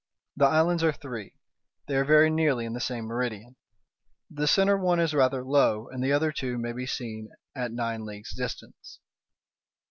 The islands are three, they are very nearly in the same meridian; the centre one is rather low, and the other two may be seen at nine leagues' distance."